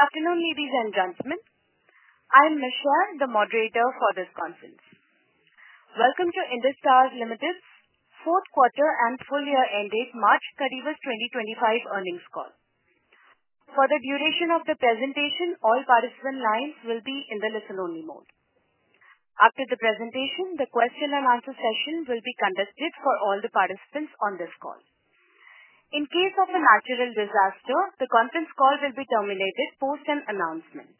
Good afternoon, ladies and gentlemen. I am Michele, the moderator for this conference. Welcome to Indus Towers Limited's fourth quarter and full-year end date, March 30, 2025, earnings call. For the duration of the presentation, all participant lines will be in the listen-only mode. After the presentation, the question-and-answer session will be conducted for all the participants on this call. In case of a natural disaster, the conference call will be terminated post an announcement.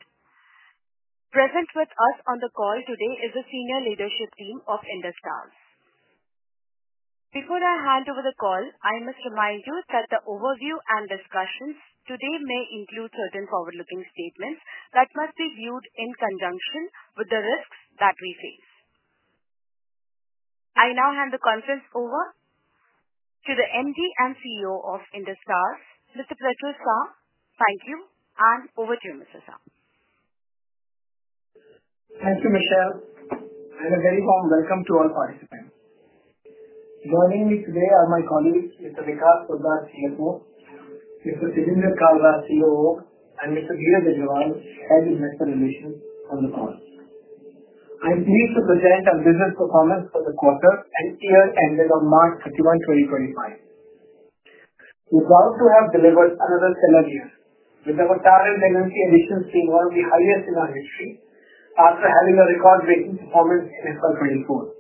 Present with us on the call today is the senior leadership team of Indus Towers. Before I hand over the call, I must remind you that the overview and discussions today may include certain forward-looking statements that must be viewed in conjunction with the risks that we face. I now hand the conference over to the MD and CEO of Indus Towers, Mr. Prachur Sah. Thank you, and over to you, Mr. Sah. Thank you, Michele. A very warm welcome to all participants. Joining me today are my colleagues, Mr. Vikas Poddar, CFO; Mr. Tejinder Kalra, COO; and Mr. Dheeraj Agarwal, Head Investor Relations, on the call. I'm pleased to present our business performance for the quarter and year end date of March 31, 2025. We're proud to have delivered another stellar year with our current tenancy additions being one of the highest in our history after having a record-breaking performance in FY 2024.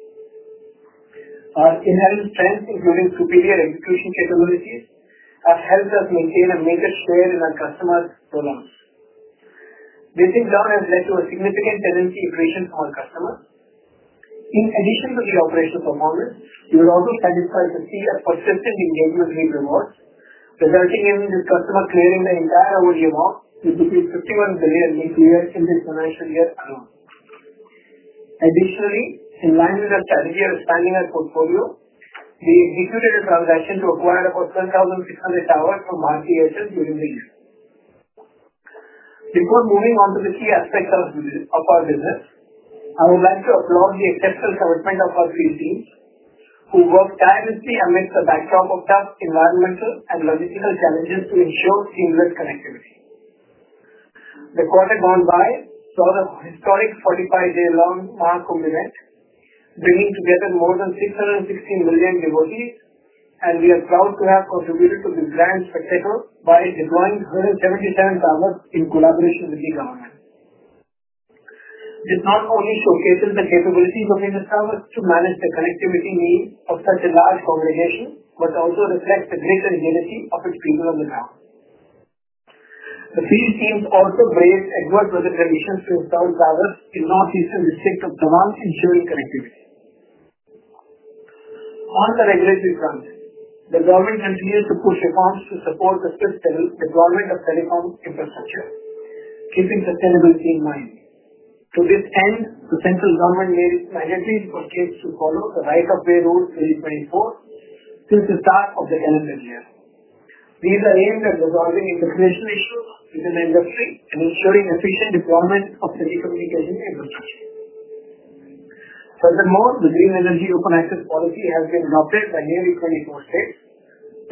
Our inherent strengths, including superior execution capabilities, have helped us maintain a major share in our customers' portfolios. This outcome has led to a significant tenancy accretion from our customers. In addition to the operational performance, we were also satisfied to see a persistent engagement rate reward, resulting in the customer clearing the entire overdue amount, which is 51 billion in this financial year alone. Additionally, in line with our strategy of expanding our portfolio, we executed a transaction to acquire about 12,600 towers from Bharti Airtel during the year. Before moving on to the key aspects of our business, I would like to applaud the exceptional commitment of our field team, who work tirelessly amidst a backdrop of tough environmental and logistical challenges to ensure seamless connectivity. The quarter gone by saw the historic 45-day long Maha Kumbh event, bringing together more than 660 million devotees, and we are proud to have contributed to this grand spectacle by deploying 177 towers in collaboration with the government. This not only showcases the capabilities of Indus Towers to manage the connectivity needs of such a large congregation, but also reflects the grit and agility of its people on the ground. The field teams also braced adverse weather conditions to install towers in the northeastern district of Tawang, ensuring connectivity. On the regulatory front, the government continues to push reforms to support the swift deployment of telecom infrastructure, keeping sustainability in mind. To this end, the central government made mandatory procedures to follow the Right of Way Rules 2024 since the start of the calendar year. These are aimed at resolving integration issues within the industry and ensuring efficient deployment of telecommunication infrastructure. Furthermore, the Green Energy Open Access Policy has been adopted by nearly 24 states,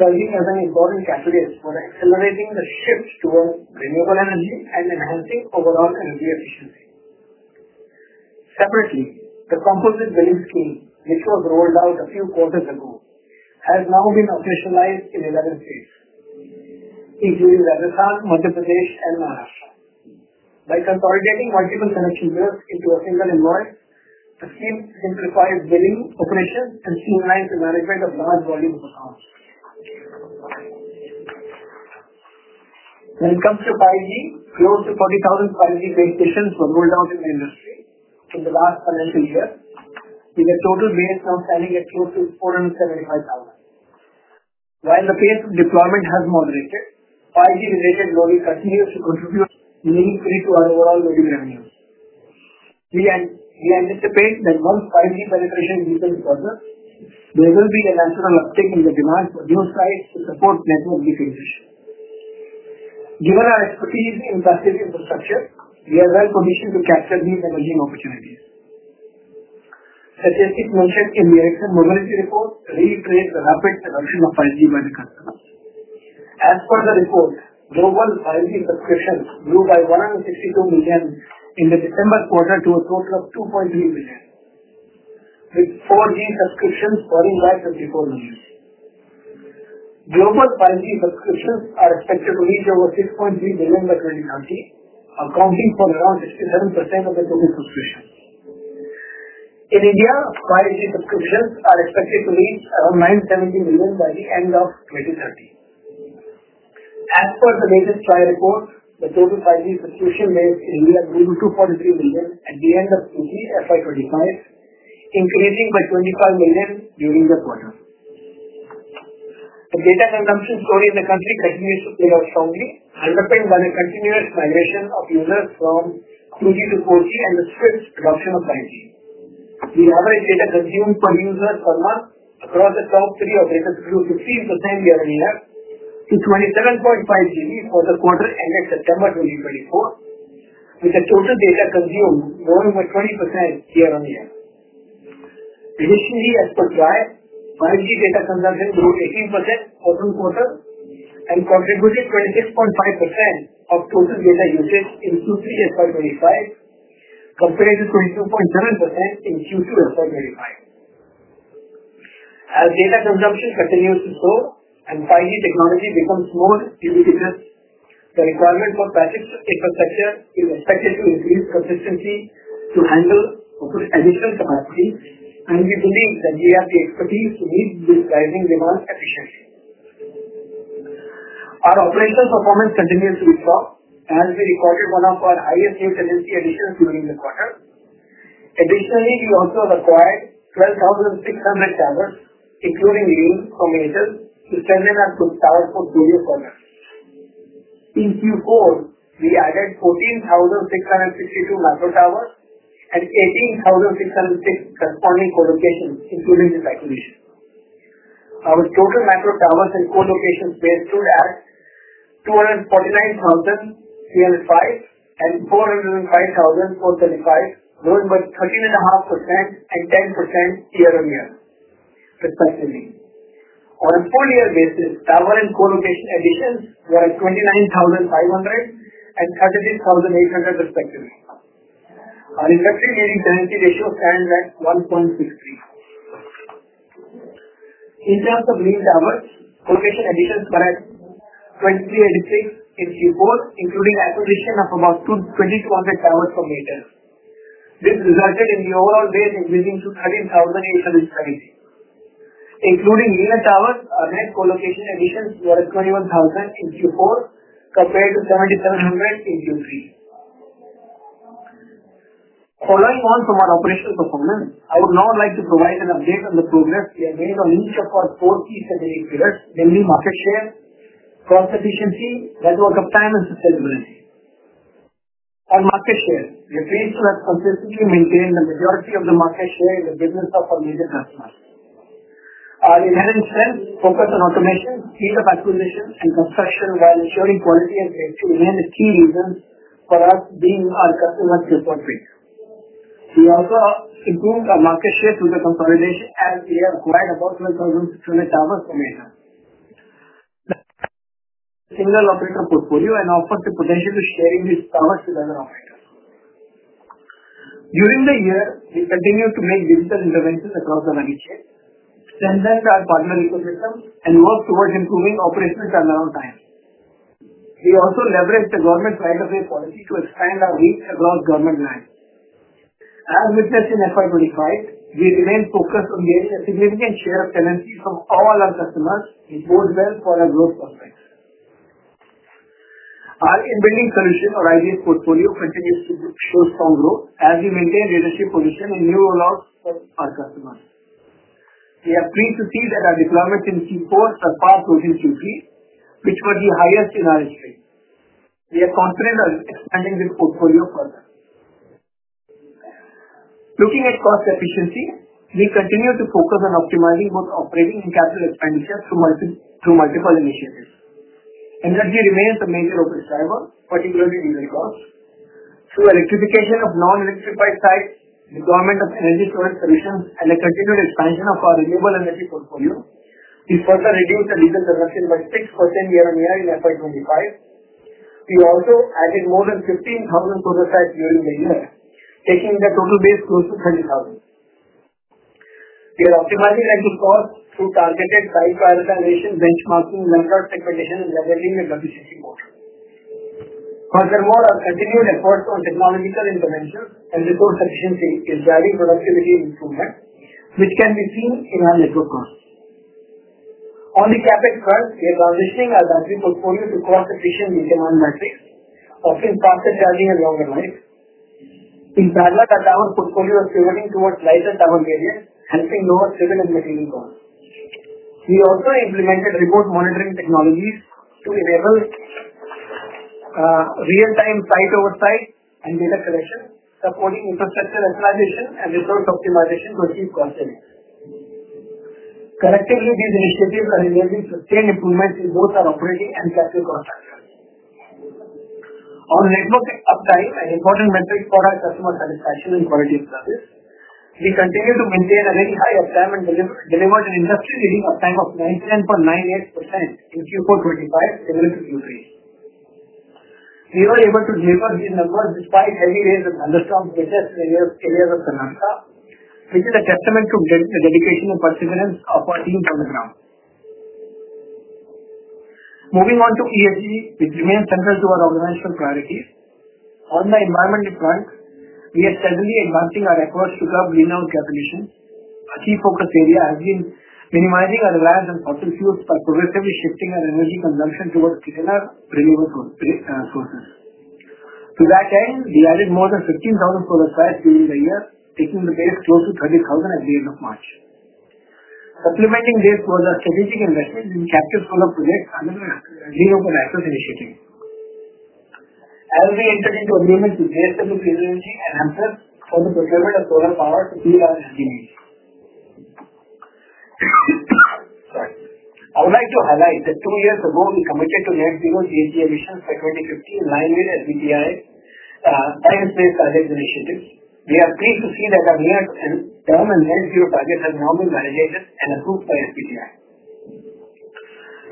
serving as an important catalyst for accelerating the shift towards renewable energy and enhancing overall energy efficiency. Separately, the composite billing scheme, which was rolled out a few quarters ago, has now been officialized in 11 states, including Rajasthan, Madhya Pradesh, and Maharashtra. By consolidating multiple connection bills into a single invoice, the scheme simplifies billing operations and streamlines the management of large volume of accounts. When it comes to 5G, close to 40,000 5G base stations were rolled out in the industry in the last financial year, with a total base now standing at close to 475,000. While the pace of deployment has moderated, 5G-related loading continues to contribute meaningfully to our overall loading revenues. We anticipate that once 5G penetration deepens further, there will be a natural uptake in the demand for new sites to support network deep integration. Given our expertise in passive infrastructure, we are well positioned to capture these emerging opportunities. Statistics mentioned in the Ericsson Mobility Report reiterate the rapid adoption of 5G by the customers. As per the report, global 5G subscriptions grew by 162 million in the December quarter to a total of 2.3 billion, with 4G subscriptions falling by 54 million. Global 5G subscriptions are expected to reach over 6.3 billion by 2030, accounting for around 67% of the total subscriptions. In India, 5G subscriptions are expected to reach around 970 million by the end of 2030. As per the latest TRAI report, the total 5G subscription base in India grew to 2.3 million at the end of 2025, increasing by 25 million during the quarter. The data consumption story in the country continues to play out strongly, underpinned by the continuous migration of users from 2G to 4G and the swift adoption of 5G. The average data consumed per user per month across the top three operators grew 15% year-on-year to 27.5 GB for the quarter end date September 2024, with the total data consumed growing by 20% year-on-year. Additionally, as per TRAI, 5G data consumption grew 18% quarter-on-quarter and contributed 26.5% of total data usage in Q3 FY 2025, compared to 22.7% in Q2 FY 2025. As data consumption continues to soar and 5G technology becomes more ubiquitous, the requirement for passive infrastructure is expected to increase consistently to handle additional capacity, and we believe that we have the expertise to meet this rising demand efficiently. Our operational performance continues to be strong, as we recorded one of our highest new tenancy additions during the quarter. Additionally, we also have acquired 12,600 towers, including green from Bharti Airtel, to strengthen our tower portfolio further. In Q4, we added 14,662 macro towers and 18,606 corresponding colocations, including this acquisition. Our total macro towers and colocations paid stood at 249,305 and 405,435, growing by 13.5% and 10% year-on-year, respectively. On a full-year basis, tower and colocation additions were at 29,500 and 36,800, respectively. Our industry-leading tenancy ratio stands at 1.63. In terms of green towers, colocation additions were at 2,386 in Q4, including acquisition of about 2,200 towers from Bharti Airtel. This resulted in the overall base increasing to 13,800. Including green towers, our net colocation additions were at 21,000 in Q4, compared to 7,700 in Q3. Following on from our operational performance, I would now like to provide an update on the progress we have made on each of our four key strategic pillars, namely market share, cost efficiency, network uptime, and sustainability. On market share, we have failed to consistently maintain the majority of the market share in the business of our major customers. Our inherent strength, focus on automation, speed of acquisition, and construction, while ensuring quality and safety, remains the key reasons for us being our customers' preferred pick. We also improved our market share through the consolidation, as we have acquired about 12,600 towers from Bharti Airtel, a single operator portfolio, and offered the potential to share these towers with other operators. During the year, we continued to make digital interventions across the value chain, strengthened our partner ecosystem, and worked towards improving operational turnaround times. We also leveraged the government right-of-way policy to expand our reach across government land. As witnessed in FY 2025, we remained focused on getting a significant share of tenancies from all our customers, which bodes well for our growth prospects. Our in-building solution, or IBS portfolio, continues to show strong growth, as we maintain leadership position in new rollouts for our customers. We are pleased to see that our deployments in Q4 are far closer to Q3, which were the highest in our history. We are confident of expanding this portfolio further. Looking at cost efficiency, we continue to focus on optimizing both operating and capital expenditure through multiple initiatives. Energy remains the major operating driver, particularly diesel costs. Through electrification of non-electrified sites, deployment of energy storage solutions, and the continued expansion of our renewable energy portfolio, we further reduced the diesel consumption by 6% year-on-year in FY 2025. We also added more than 15,000 solar sites during the year, taking the total base close to 30,000. We are optimizing network costs through targeted site prioritization, benchmarking, landlord segmentation, and leveraging the Gati Shakti portal. Furthermore, our continued efforts on technological interventions and resource efficiency are driving productivity improvement, which can be seen in our network costs. On the CAPEX front, we are transitioning our battery portfolio to cost-efficient lithium-ion batteries, offering faster charging and longer life. In parallel, our tower portfolio is pivoting towards lighter tower variants, helping lower civil and material costs. We also implemented remote monitoring technologies to enable real-time site oversight and data collection, supporting infrastructure optimization and resource optimization to achieve cost savings. Collectively, these initiatives are enabling sustained improvements in both our operating and capital cost structures. On network uptime, an important metric for our customer satisfaction and quality of service, we continue to maintain a very high uptime and delivered an industry-leading uptime of 97.98% in Q4 2025, similar to Q3. We were able to deliver these numbers despite heavy rains and thunderstorms in various areas of Karnataka, which is a testament to the dedication and perseverance of our team on the ground. Moving on to ESG, which remains central to our organizational priorities. On the environmental front, we are steadily advancing our efforts to curb greenhouse gas emissions. A key focus area has been minimizing our reliance on fossil fuels by progressively shifting our energy consumption towards cleaner renewable sources. To that end, we added more than 15,000 solar sites during the year, taking the base close to 30,000 at the end of March. Supplementing this was our strategic investment in captive solar projects under the Green Open Access initiative, as we entered into agreements with JSW Green Energy and Amplus for the procurement of solar power to meet our energy needs. I would like to highlight that two years ago, we committed to net zero GHG emissions by 2050 in line with SBTi's Science Based Targets initiatives. We are pleased to see that our near-term and net zero targets have now been validated and approved by SBTi.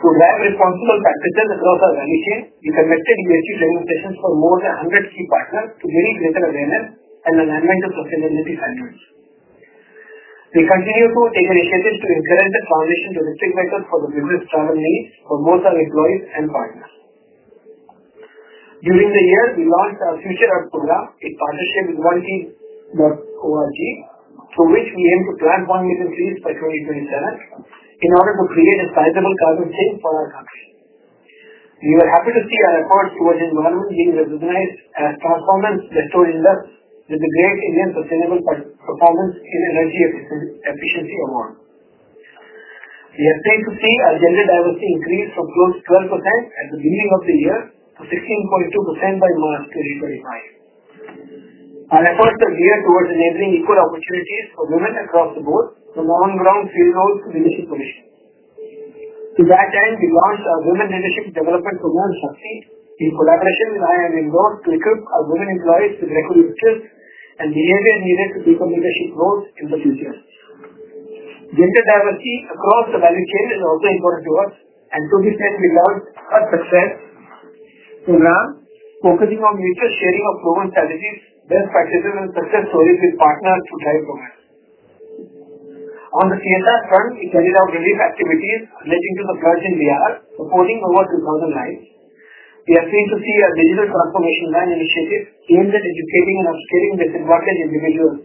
To drive responsible practices across our value chain, we conducted ESG training sessions for more than 100 key partners to gain greater awareness and alignment of sustainability standards and continue to take initiatives to encourage the foundation to restrict methods for the business travel needs for both our employees and partners. During the year, we launched our Future Hub program in partnership with 1t.org, through which we aim to plant 1 million trees by 2027 in order to create a sizable carbon sink for our country. We were happy to see our efforts towards environment being recognized as Transformance bestowed Indus with the Great Indian Sustainable Performance in Energy Efficiency Award. We are pleased to see our gender diversity increase from close to 12% at the beginning of the year to 16.2% by March 2025. Our efforts are geared towards enabling equal opportunities for women across the board from on-ground field roles to leadership positions. To that end, we launched our Women Leadership Development Program Shakti in collaboration with IIM Indore to equip our women employees with the requisite skills and behavior needed to take on leadership roles in the future. Gender diversity across the value chain is also important to us, and to this end, we launched HerSuccess program focusing on mutual sharing of proven strategies, best practices, and success stories with partners to drive progress. On the CSR front, we carried out relief activities relating to the floods in Bihar, supporting over 2,000 lives. We are pleased to see our Digital Transformation Van initiative aimed at educating and upskilling disadvantaged individuals,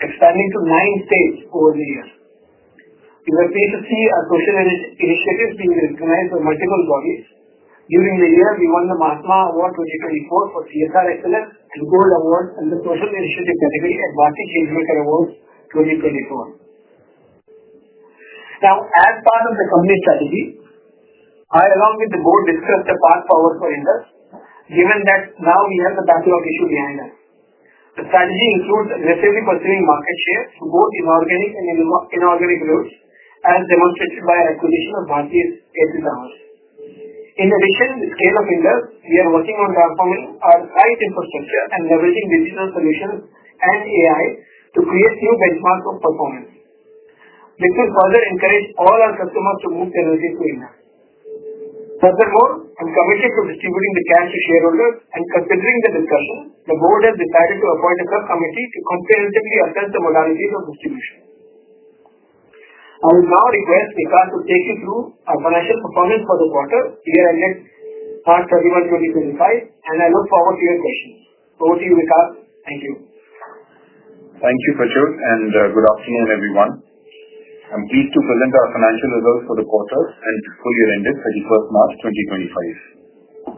expanding to nine states over the year. We were pleased to see our social initiatives being recognized by multiple bodies. During the year, we won the Mahatma Award 2024 for CSR Excellence and Gold Award and the Social Initiative category at Bharti Changemaker Awards 2024. Now, as part of the company strategy, I, along with the board, discussed the path forward for Indus Towers, given that now we have the backlog issue behind us. The strategy includes aggressively pursuing market shares through both organic and inorganic routes, as demonstrated by our acquisition of Bharti Airtel towers. In addition, the scale of Indus, we are working on transforming our site infrastructure and leveraging digital solutions and AI to create new benchmarks of performance, which will further encourage all our customers to move their energy to Indus. Furthermore, I'm committed to distributing the cash to shareholders, and considering the discussion, the board has decided to appoint a subcommittee to comprehensively assess the modalities of distribution. I would now request Vikas to take you through our financial performance for the quarter, year-end date March 31, 2025, and I look forward to your questions. Over to you, Vikas. Thank you. Thank you, Prachur, and good afternoon, everyone. I'm pleased to present our financial results for the quarter and full-year end date 31st March 2025.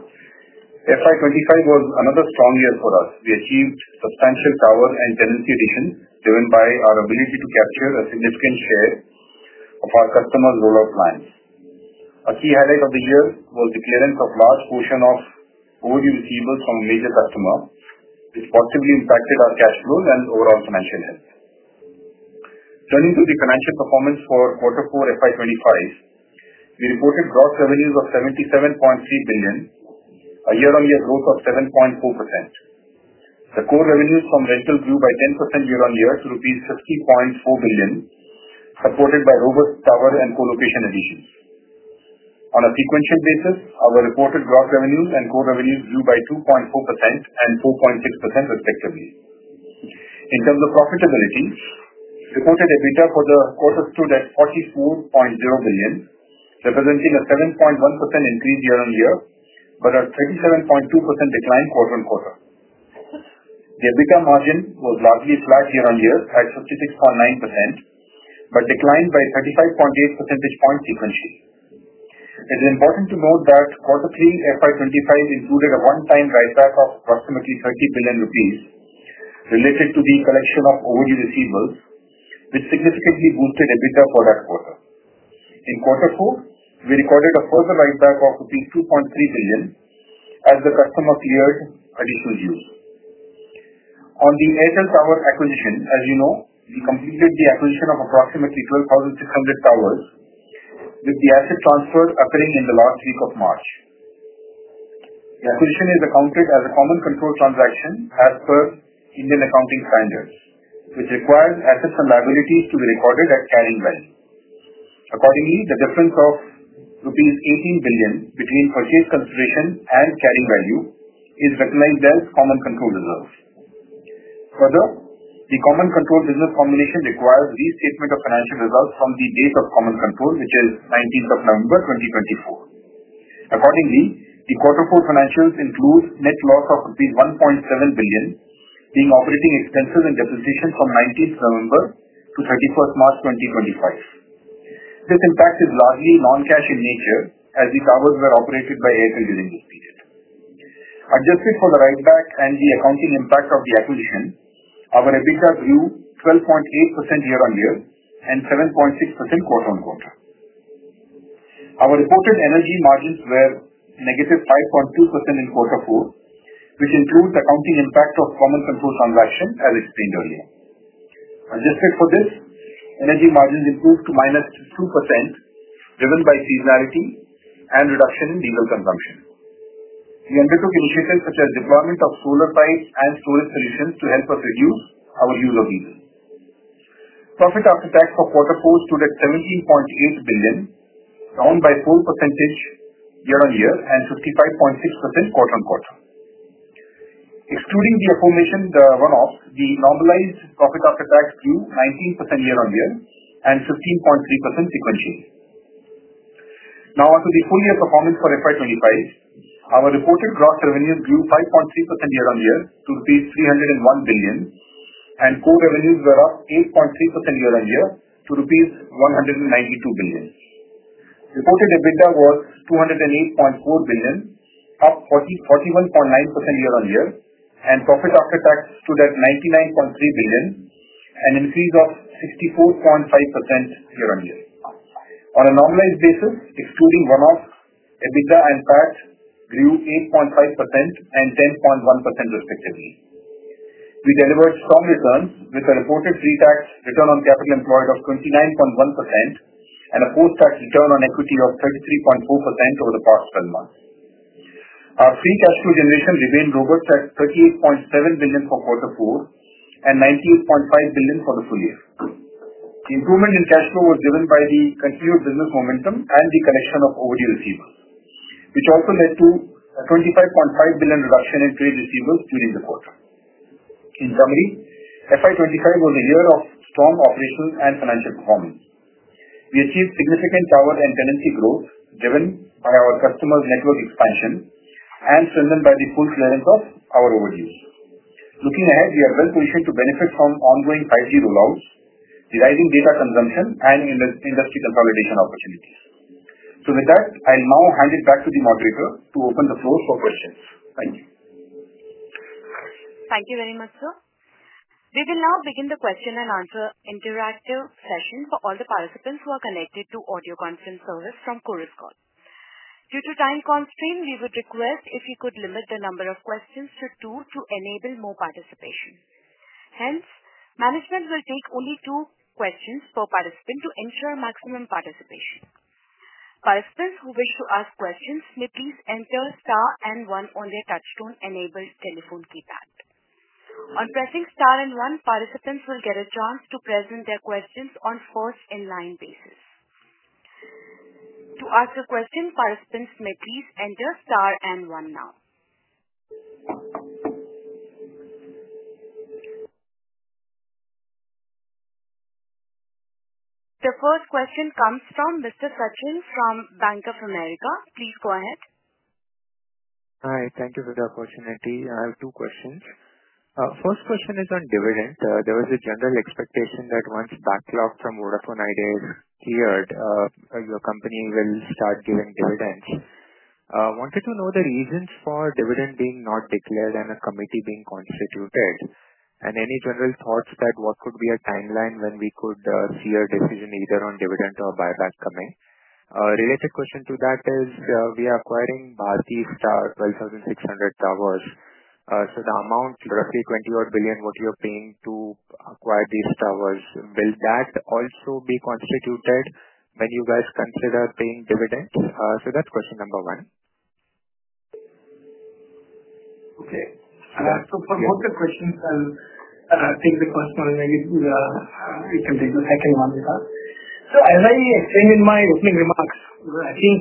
FY 25 was another strong year for us. We achieved substantial tower and tenancy additions driven by our ability to capture a significant share of our customers' rollout plans. A key highlight of the year was the clearance of a large portion of overdue receivables from a major customer, which positively impacted our cash flows and overall financial health. Turning to the financial performance for Q4 FY 2025, we reported gross revenues of 77.3 billion, a year-on-year growth of 7.4%. The core revenues from rental grew by 10% year-on-year to rupees 50.4 billion, supported by robust tower and colocation additions. On a sequential basis, our reported gross revenues and core revenues grew by 2.4% and 4.6%, respectively. In terms of profitability, reported EBITDA for the quarter stood at 44 billion, representing a 7.1% increase year-on-year but a 37.2% decline quarter on quarter. The EBITDA margin was largely flat year-on-year at 56.9% but declined by 35.8 percentage points sequentially. It is important to note that Q3 FY 2025 included a one-time write-back of approximately 30 billion rupees related to the collection of overdue receivables, which significantly boosted EBITDA for that quarter. In Q4, we recorded a further write-back of rupees 2.3 billion as the customer cleared additional dues. On the Airtel tower acquisition, as you know, we completed the acquisition of approximately 12,600 towers, with the asset transfer occurring in the last week of March. The acquisition is accounted as a common control transaction as per Indian accounting standards, which requires assets and liabilities to be recorded at carrying value. Accordingly, the difference of rupees 18 billion between purchase consideration and carrying value is recognized as common control reserves. Further, the common control business combination requires a restatement of financial results from the date of common control, which is 19th of November 2024. Accordingly, the Q4 financials include net loss of 1.7 billion, being operating expenses and depreciation from 19 November to 31 March 2025. This impact is largely non-cash in nature, as the towers were operated by Airtel during this period. Adjusted for the write-back and the accounting impact of the acquisition, our EBITDA grew 12.8% year-on-year and 7.6% quarter on quarter. Our reported energy margins were negative 5.2% in Q4, which includes accounting impact of common control transaction, as explained earlier. Adjusted for this, energy margins improved to minus 2%, driven by seasonality and reduction in diesel consumption. We undertook initiatives such as deployment of solar PVs and storage solutions to help us reduce our use of diesel. Profit after tax for Q4 stood at 17.8 billion, down by 4% year-on-year and 55.6% quarter on quarter. Excluding the runoffs, the normalized profit after tax grew 19% year-on-year and 15.3% sequentially. Now, onto the full-year performance for FY 2025. Our reported gross revenues grew 5.3% year-on-year to 301 billion, and core revenues were up 8.3% year-on-year to 192 billion. Reported EBITDA was 208.4 billion, up 41.9% year-on-year, and profit after tax stood at 99.3 billion, an increase of 64.5% year-on-year. On a normalized basis, excluding runoffs, EBITDA and PAT grew 8.5% and 10.1%, respectively. We delivered strong returns with a reported pre-tax return on capital employed of 29.1% and a post-tax return on equity of 33.4% over the past 12 months. Our free cash flow generation remained robust at 38.7 billion for Q4 and 98.5 billion for the full year. The improvement in cash flow was driven by the continued business momentum and the collection of overdue receivables, which also led to a 25.5 billion reduction in trade receivables during the quarter. In summary, FY 2025 was a year of strong operational and financial performance. We achieved significant tower and tenancy growth driven by our customers' network expansion and strengthened by the full clearance of our overdues. Looking ahead, we are well positioned to benefit from ongoing 5G rollouts, the rising data consumption, and industry consolidation opportunities. With that, I'll now hand it back to the moderator to open the floor for questions. Thank you. Thank you very much, sir. We will now begin the question and answer interactive session for all the participants who are connected to audio conference service from Chorus Call. Due to time constraints, we would request if you could limit the number of questions to two to enable more participation. Hence, management will take only two questions per participant to ensure maximum participation. Participants who wish to ask questions may please enter star and one on their touchtone-enabled telephone keypad. On pressing star and one, participants will get a chance to present their questions on first-in-line basis. To ask a question, participants may please enter star and one now. The first question comes from Mr. Sachin from Bank of America. Please go ahead. Hi. Thank you for the opportunity. I have two questions. First question is on dividend. There was a general expectation that once backlog from Vodafone Idea is cleared, your company will start giving dividends. I wanted to know the reasons for dividend being not declared and a committee being constituted, and any general thoughts that what could be a timeline when we could see a decision either on dividend or buyback coming. A related question to that is we are acquiring Bharti Airtel 12,600 towers, so the amount roughly 20 billion-odd what you're paying to acquire these towers, will that also be constituted when you guys consider paying dividends? That's question number one. Okay. For both the questions, I'll take the first one, and maybe we can take the second one with that. As I explained in my opening remarks, I think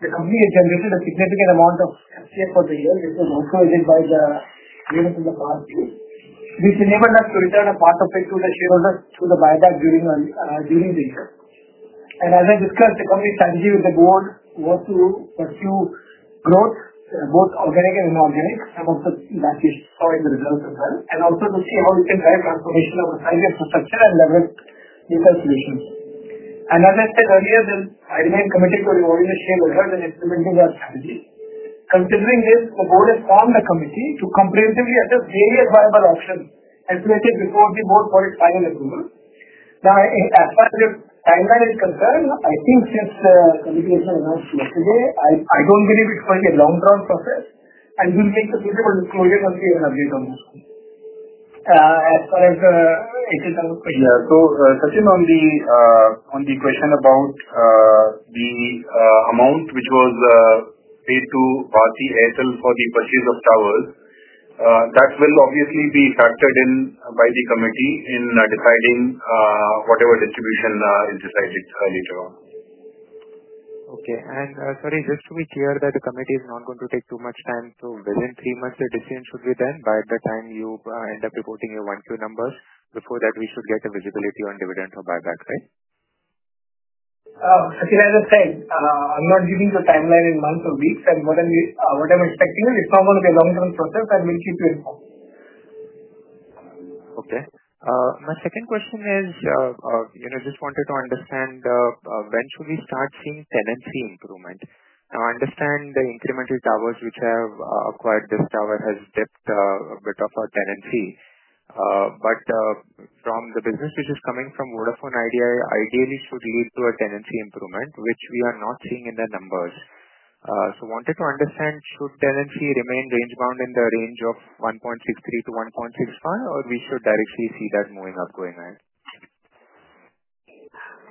the company has generated a significant amount of cash share for the year which was also earned by the dividends in the past year, which enabled us to return a part of it to the shareholders through the buyback during the year. As I discussed, the company's strategy with the board was to pursue growth, both organic and inorganic, some of that we saw in the results as well, and also to see how we can drive transformation of the site infrastructure and leverage new solutions. As I said earlier, I remain committed to rewarding the shareholders and implementing our strategy. Considering this, the board has formed a committee to comprehensively assess various viable options as stated before the board for its final approval. Now, as far as the timeline is concerned, I think since the committee has been announced yesterday, I do not believe it is going to be a long-drawn process, and we will make a suitable disclosure once we have an update on this. As far as the Airtel towers question. Yeah. Sachin, on the question about the amount which was paid to Bharti Airtel for the purchase of towers, that will obviously be factored in by the committee in deciding whatever distribution is decided later on. Okay. Sorry, just to be clear that the committee is not going to take too much time, so within three months, the decision should be done, but at the time you end up reporting your one-two numbers, before that we should get a visibility on dividend or buyback, right? Sachin, as I said, I'm not giving you a timeline in months or weeks, and what I'm expecting is it's not going to be a long-drawn process, and we'll keep you informed. Okay. My second question is I just wanted to understand when should we start seeing tenancy improvement? Now, I understand the incremental towers which have acquired this tower has dipped a bit of our tenancy, but from the business which is coming from Vodafone Idea, ideally should lead to a tenancy improvement, which we are not seeing in the numbers. I wanted to understand, should tenancy remain range-bound in the range of 1.63-1.65, or we should directly see that moving up going ahead?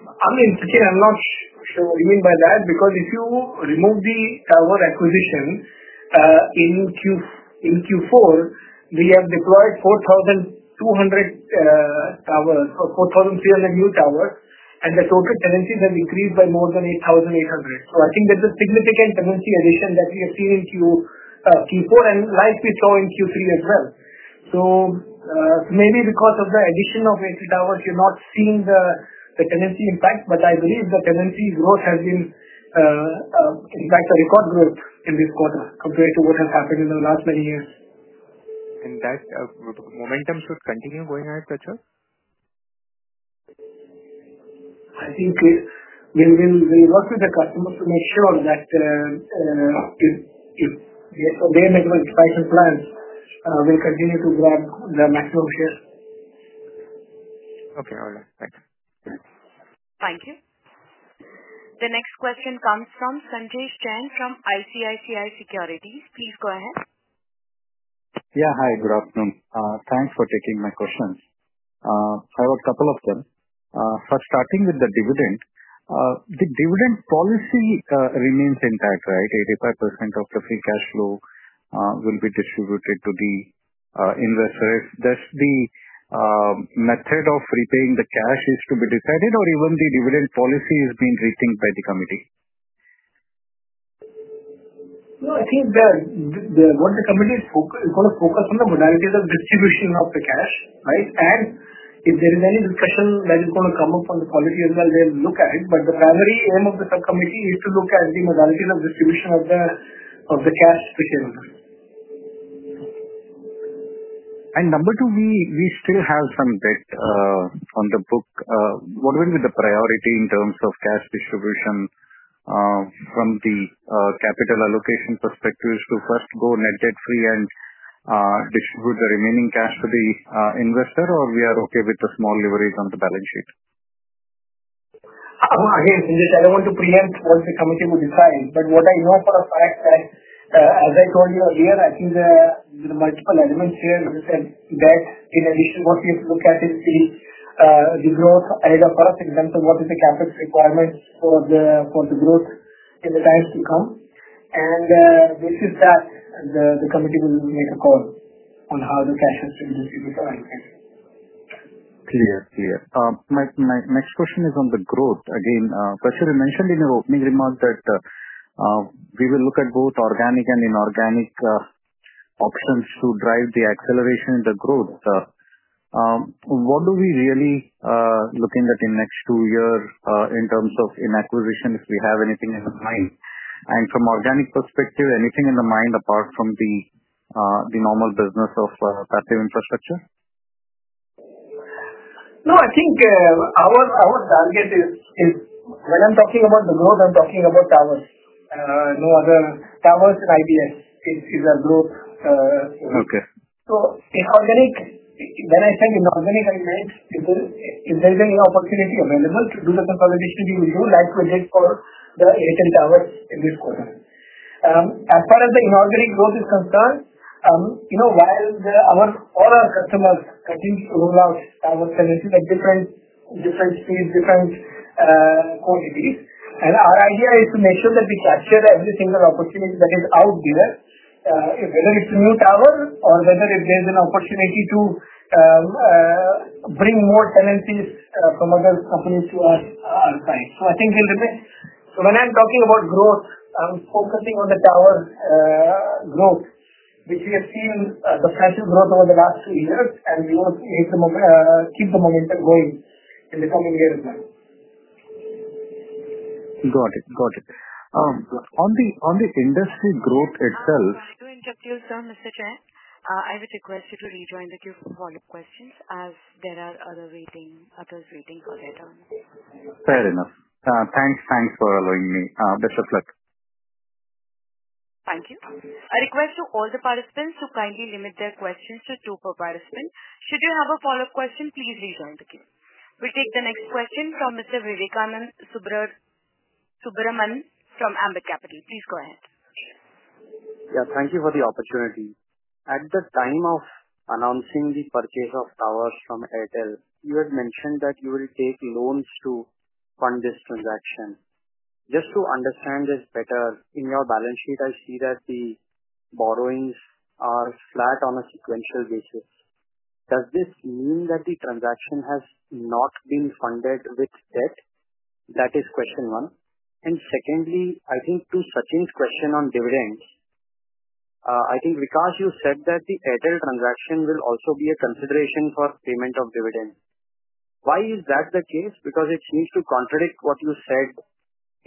1I mean, again, I'm not sure what you mean by that because if you remove the tower acquisition, in Q4, we have deployed 4,200 towers or 4,300 new towers, and the total tenancies have increased by more than 8,800. I think there's a significant tenancy addition that we have seen in Q4, and like we saw in Q3 as well. Maybe because of the addition of Airtel towers, you're not seeing the tenancy impact, but I believe the tenancy growth has been, in fact, a record growth in this quarter compared to what has happened in the last many years. That momentum should continue going ahead, Prachur? I think we'll work with the customers to make sure that their manufacturing plans will continue to grab the maximum share. Okay. All right. Thanks. Thank you. The next question comes from Sanjesh Jain from ICICI Securities. Please go ahead. Yeah. Hi. Good afternoon. Thanks for taking my questions. I have a couple of them. First, starting with the dividend, the dividend policy remains intact, right? 85% of the free cash flow will be distributed to the investors. Does the method of repaying the cash need to be decided, or even the dividend policy is being rethinked by the committee? Again, Sanjesh, I don't want to preempt what the committee will decide, but what I know for a fact is that, as I told you earlier, I think the multiple elements here, as I said, debt in addition, what we have to look at is the growth either for us in terms of what is the CapEx requirements for the growth in the times to come. This is that the committee will make a call on how the cash has to be distributed for allocation. Clear. My next question is on the growth. Again, Prachur, you mentioned in your opening remarks that we will look at both organic and inorganic options to drive the acceleration in the growth. What are we really looking at in the next two years in terms of in-acquisition if we have anything in mind? From an organic perspective, anything in the mind apart from the normal business of passive infrastructure? No, I think our target is when I'm talking about the growth, I'm talking about towers. No other Towers and IBS is a growth. When I said inorganic, I meant if there is any opportunity available to do the consolidation we will do, like we did for the Airtel towers in this quarter. As far as the inorganic growth is concerned, while all our customers continue to roll out towers tenancies at different speeds, different quantities, and our idea is to make sure that we capture every single opportunity that is out there, whether it's a new tower or whether there's an opportunity to bring more tenancies from other companies to our site. I think we'll remain. When I'm talking about growth, I'm focusing on the tower growth, which we have seen the flashing growth over the last two years, and we will keep the momentum going in the coming year as well. Got it. Got it. On the industry growth itself. Sorry for interrupting you, Mr. Jain. I would request you to rejoin the queue for follow-up questions as there are others waiting for their turn. Fair enough. Thanks. Thanks for allowing me. Best of luck. Thank you. A request to all the participants to kindly limit their questions to two per participant. Should you have a follow-up question, please rejoin the queue. We'll take the next question from Mr. Vivekanand Subbaraman from Ambit Capital. Please go ahead. Yeah. Thank you for the opportunity. At the time of announcing the purchase of towers from Airtel, you had mentioned that you will take loans to fund this transaction. Just to understand this better, in your balance sheet, I see that the borrowings are flat on a sequential basis. Does this mean that the transaction has not been funded with debt? That is question one. Secondly, I think to Sachin's question on dividends, I think Vikas you said that the Airtel transaction will also be a consideration for payment of dividend. Why is that the case? Because it seems to contradict what you said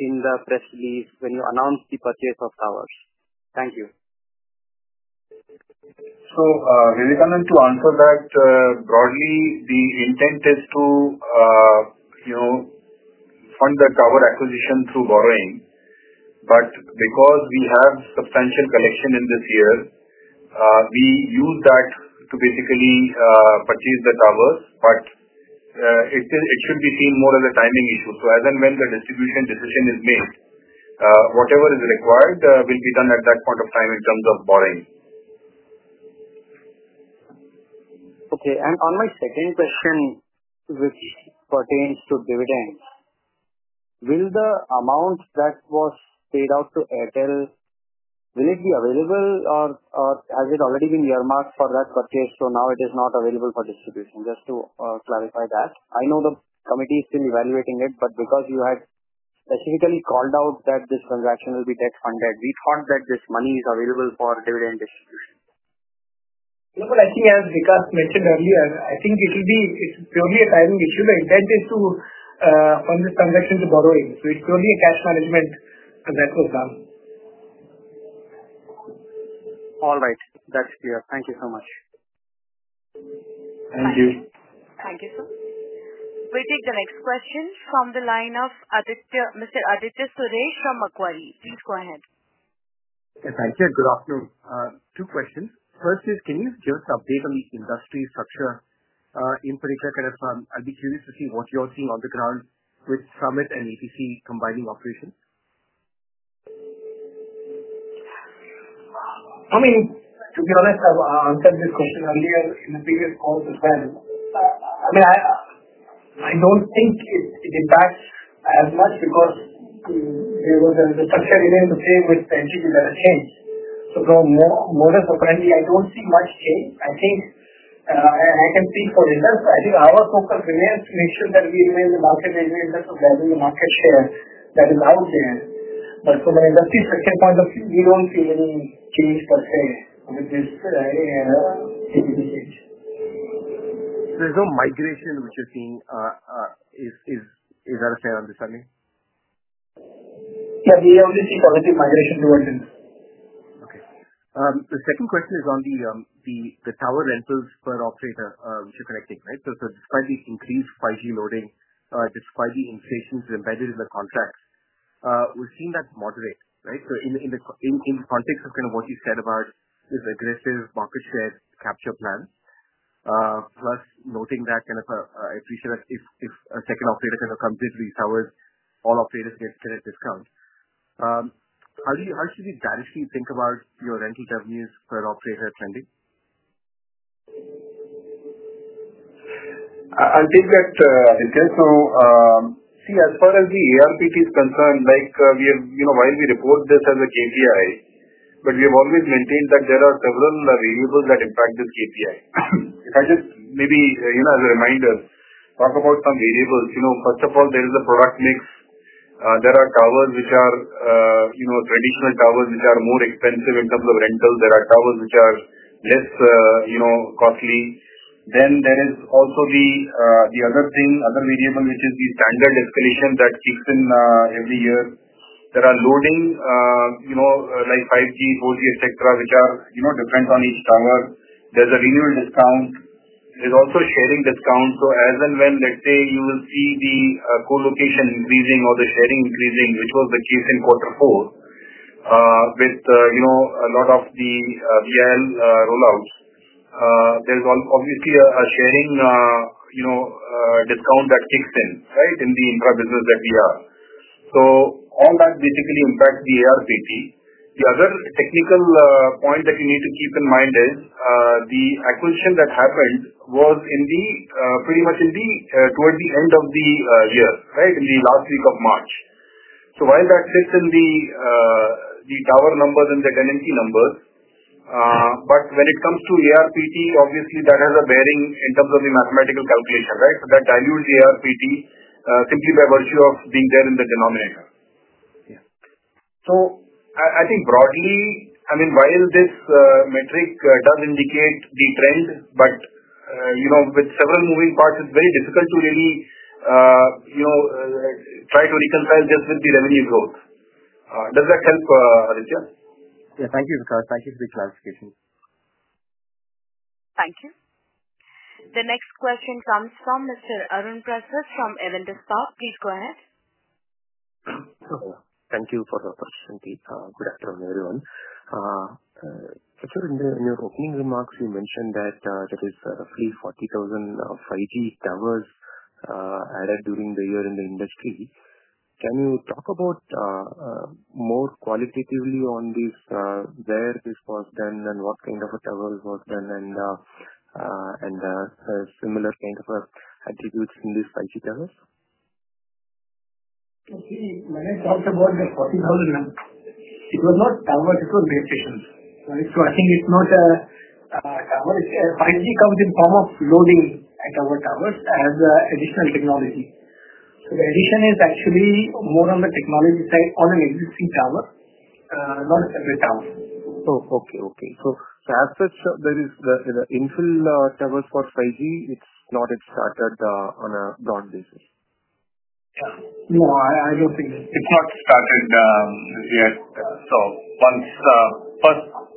in the press release when you announced the purchase of towers. Thank you. Vivekanand, to answer that broadly, the intent is to fund the tower acquisition through borrowing, but because we have substantial collection in this year, we use that to basically purchase the towers, but it should be seen more as a timing issue. As and when the distribution decision is made, whatever is required will be done at that point of time in terms of borrowing. Okay. On my second question, which pertains to dividends, will the amount that was paid out to Airtel, will it be available, or has it already been earmarked for that purchase so now it is not available for distribution? Just to clarify that. I know the committee is still evaluating it, but because you had specifically called out that this transaction will be debt-funded, we thought that this money is available for dividend distribution. No, but I think as Vikas mentioned earlier, I think it will be purely a timing issue. The intent is to fund this transaction through borrowing, so it's purely a cash management that was done. All right. That's clear. Thank you so much. Thank you. Thank you, sir. We'll take the next question from the line of Mr. Aditya Suresh from Macquarie. Please go ahead. Thank you. Good afternoon. Two questions. First is, can you give us an update on the industry structure in particular? Kind of I'll be curious to see what you're seeing on the ground with Summit and ATC combining operations. I mean, to be honest, I've answered this question earlier in the previous calls as well. I mean, I don't think it impacts as much because the structure remains the same with the entities that have changed. From a modus operandi, I do not see much change. I can speak for myself. I think our focus remains to make sure that we remain in the market range in terms of grabbing the market share that is out there. From an industry structure point of view, we do not see any change per se with this change. There is no migration which you are seeing. Is that a fair understanding? Yeah. We only see positive migration towards it. Okay. The second question is on the tower rentals per operator which you are collecting, right? Despite the increased 5G loading, despite the inflations embedded in the contracts, we have seen that moderate, right? In the context of kind of what you said about this aggressive market share capture plan, plus noting that kind of I appreciate that if a second operator kind of comes into these towers, all operators get a discount. How should we directly think about your rental revenues per operator trending? I'll take that. I think so. See, as far as the ARPT is concerned, while we report this as a KPI, but we have always maintained that there are several variables that impact this KPI. If I just maybe as a reminder, talk about some variables. First of all, there is the product mix. There are towers which are traditional towers which are more expensive in terms of rentals. There are towers which are less costly. There is also the other thing, other variable which is the standard escalation that kicks in every year. There are loading like 5G, 4G, etc., which are different on each tower. There's a renewal discount. There's also sharing discount. As and when, let's say you will see the colocation increasing or the sharing increasing, which was the case in quarter four with a lot of the VIL rollouts, there's obviously a sharing discount that kicks in, right, in the intra-business that we are. All that basically impacts the ARPT. The other technical point that you need to keep in mind is the acquisition that happened was pretty much towards the end of the year, right, in the last week of March. While that sits in the tower numbers and the tenancy numbers, when it comes to ARPT, obviously that has a bearing in terms of the mathematical calculation, right? That dilutes the ARPT simply by virtue of being there in the denominator. I think broadly, I mean, while this metric does indicate the trend, but with several moving parts, it's very difficult to really try to reconcile this with the revenue growth. Does that help, Aditya? Yeah. Thank you, Vikash. Thank you for the clarification. Thank you. The next question comes from Mr. Arun Prasath from Avendus Spark. Please go ahead. Thank you for the question. Good afternoon, everyone. In your opening remarks, you mentioned that there is roughly 40,000 5G towers added during the year in the industry. Can you talk about more qualitatively on where this was done and what kind of a tower was done and similar kind of attributes in these 5G towers? When I talked about the 40,000, it was not towers. It was the station. I think it's not a tower. 5G comes in the form of loading and tower towers as additional technology. The addition is actually more on the technology side on an existing tower, not a separate tower. Oh, okay. Okay. As such, there is the infill towers for 5G. It's not started on a broad basis. Yeah. No, I don't think. It's started yet. Once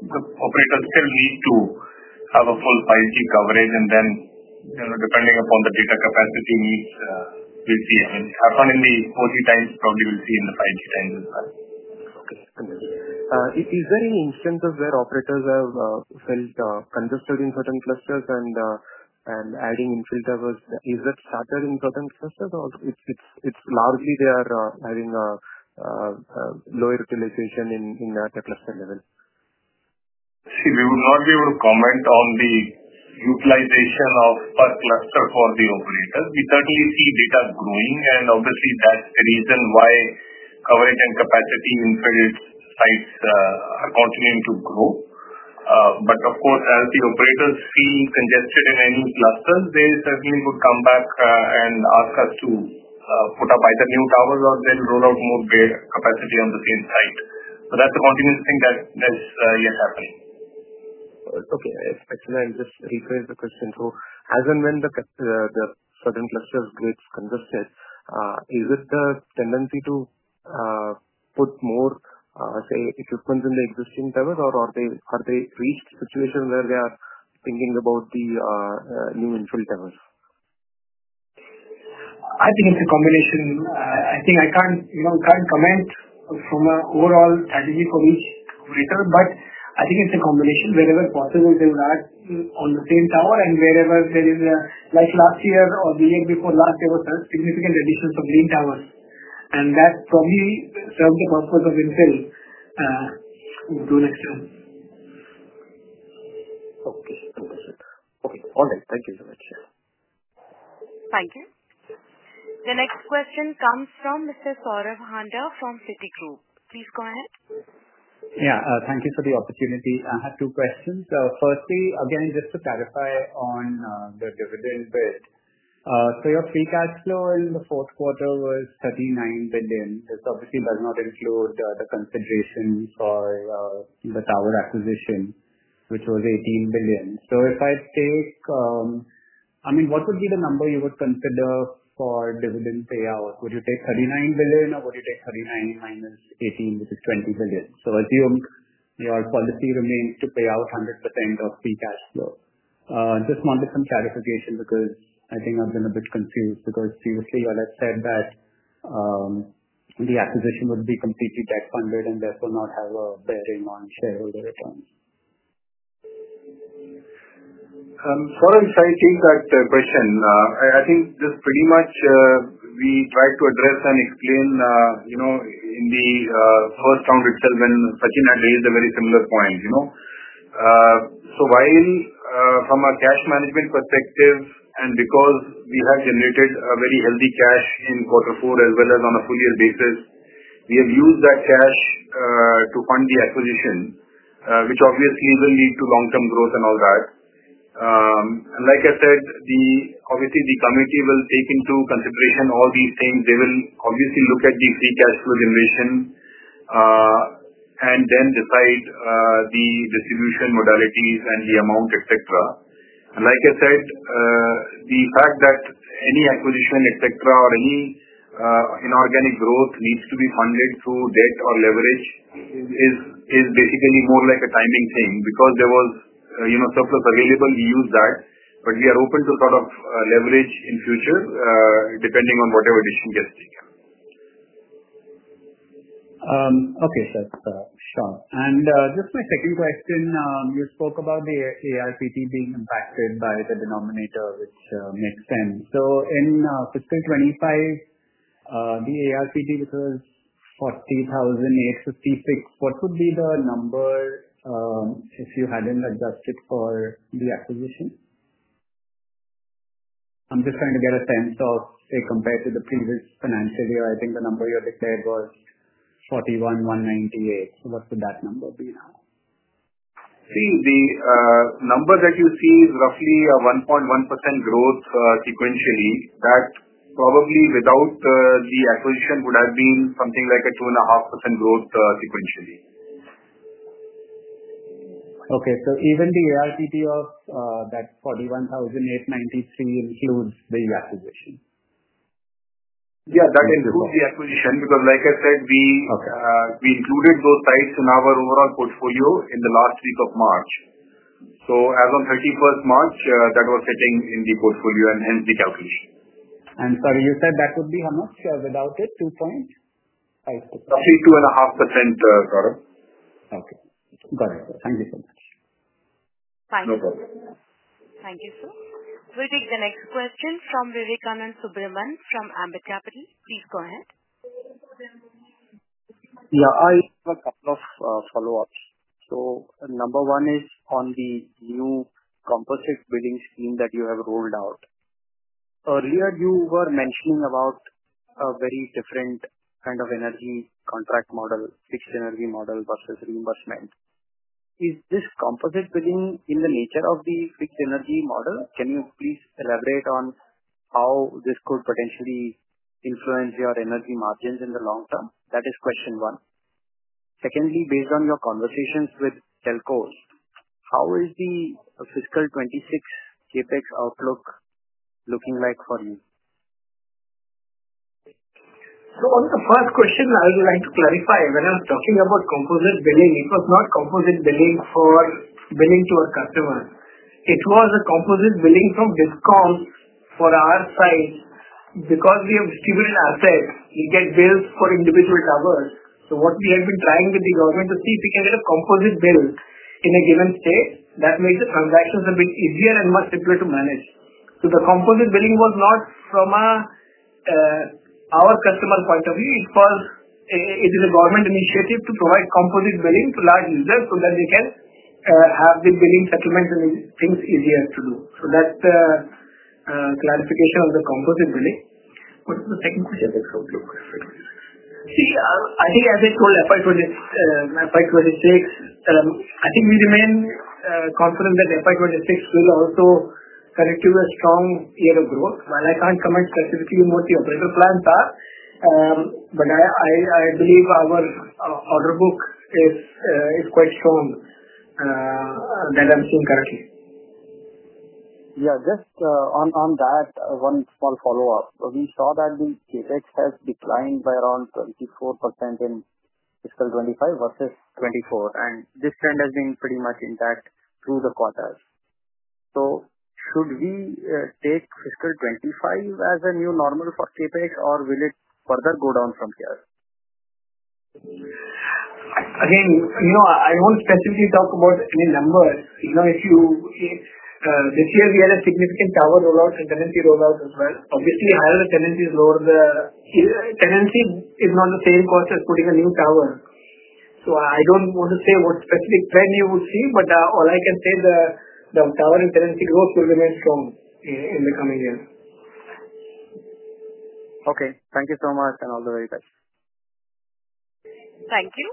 the operators still need to have a full 5G coverage, and then depending upon the data capacity needs, we'll see. I mean, in the 4G times, probably we'll see in the 5G times as well. Okay. Understood. Is there any instance of where operators have felt congested in certain clusters and adding infill towers? Is that started in certain clusters, or it's largely they are having lower utilization at the cluster level? See, we would not be able to comment on the utilization of per cluster for the operators. We certainly see data growing, and obviously that's the reason why coverage and capacity infill sites are continuing to grow. Of course, as the operators feel congested in any clusters, they certainly would come back and ask us to put up either new towers or then roll out more capacity on the same site. That's the continuous thing that is happening. Okay. Excellent. Just rephrase the question. As and when the certain clusters get congested, is it the tendency to put more, say, equipment in the existing towers, or have they reached a situation where they are thinking about the new infill towers? I think it's a combination. I think I can't comment from an overall strategy for each operator, but I think it's a combination. Wherever possible, they will add on the same tower and wherever there is a like last year or the year before last, there were significant additions of lean towers, and that probably serves the purpose of infill to an extent. Okay. Understood. Okay. All right. Thank you so much. Thank you. The next question comes from Mr. Saurabh Handa from Citigroup. Please go ahead. Yeah. Thank you for the opportunity. I have two questions. Firstly, again, just to clarify on the dividend bit. So your free cash flow in the fourth quarter was 39 billion. This obviously does not include the consideration for the tower acquisition, which was 18 billion. If I take I mean, what would be the number you would consider for dividend payout? Would you take 39 billion, or would you take 39 billion minus 18 billion, which is 20 billion? Assume your policy remains to pay out 100% of free cash flow. Just wanted some clarification because I think I've been a bit confused because previously you had said that the acquisition would be completely debt-funded and therefore not have a bearing on shareholder returns. Sorry, I think that question. I think this pretty much we tried to address and explain in the first round itself when Sachin had raised a very similar point. From a cash management perspective and because we have generated a very healthy cash in quarter four as well as on a full-year basis, we have used that cash to fund the acquisition, which obviously will lead to long-term growth and all that. Like I said, obviously the committee will take into consideration all these things. They will obviously look at the free cash flow generation and then decide the distribution modalities and the amount, etc. Like I said, the fact that any acquisition, etc., or any inorganic growth needs to be funded through debt or leverage is basically more like a timing thing. Because there was surplus available, we used that, but we are open to sort of leverage in future depending on whatever decision gets taken. Okay. That's sharp. Just my second question. You spoke about the ARPT being impacted by the denominator, which makes sense. In fiscal 2025, the ARPT, which was 40,856, what would be the number if you had not adjusted for the acquisition? I'm just trying to get a sense of, say, compared to the previous financial year, I think the number you had declared was 41,198. What would that number be now? See, the number that you see is roughly a 1.1% growth sequentially. That probably without the acquisition would have been something like a 2.5% growth sequentially. Okay. So even the ARPT of that 41,893 includes the acquisition? Yeah. That includes the acquisition because, like I said, we included those sites in our overall portfolio in the last week of March. As of 31 March, that was sitting in the portfolio and hence the calculation. Sorry, you said that would be how much without it? 2.5%? Roughly 2.5%. Okay. Got it. Thank you so much. Thank you. No problem. Thank you, sir. We'll take the next question from Vivekanand Subraman from Ambit Capital. Please go ahead. Yeah. I have a couple of follow-ups. Number one is on the new composite building scheme that you have rolled out. Earlier, you were mentioning about a very different kind of energy contract model, fixed energy model versus reimbursement. Is this composite billing in the nature of the fixed energy model? Can you please elaborate on how this could potentially influence your energy margins in the long term? That is question one. Secondly, based on your conversations with Telcos, how is the fiscal 2026 CAPEX outlook looking like for you? On the first question, I would like to clarify. When I was talking about composite billing, it was not composite billing for billing to our customers. It was a composite billing from discounts for our sites because we have distributed assets. We get bills for individual towers. What we have been trying with the government is to see if we can get a composite bill in a given state. That makes the transactions a bit easier and much simpler to manage. The composite billing was not from our customer point of view. It is a government initiative to provide composite billing to large users so that they can have the billing settlement and things easier to do. That is the clarification on the composite billing. What's the second question? See, I think as I told FI26, I think we remain confident that FI26 will also continue a strong year of growth. While I can't comment specifically on what the operator plans are, I believe our order book is quite strong that I'm seeing currently. Yeah. Just on that, one small follow-up. We saw that the CapEx has declined by around 24% in fiscal 2025 versus 2024, and this trend has been pretty much intact through the quarters. Should we take fiscal 2025 as a new normal for CapEx, or will it further go down from here? Again, I won't specifically talk about any numbers. This year, we had a significant tower rollout and tenancy rollout as well. Obviously, higher the tenancy is, lower the tenancy is not the same cost as putting a new tower. I don't want to say what specific trend you would see, but all I can say, the tower and tenancy growth will remain strong in the coming year. Okay. Thank you so much and all the very best. Thank you.